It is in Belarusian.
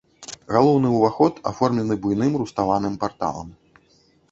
Галоўны ўваход аформлены буйным руставаным парталам.